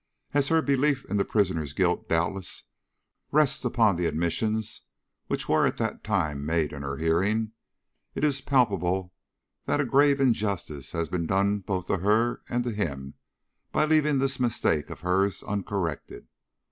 As her belief in the prisoner's guilt doubtless rests upon the admissions which were at that time made in her hearing, it is palpable that a grave injustice has been done both to her and to him by leaving this mistake of hers uncorrected.